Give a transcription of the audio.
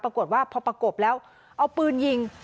ปรากฏว่าพอประกบแล้วเอาปืนยิง